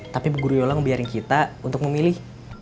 tapi ibu guru yola ngebiarin kita untuk memilih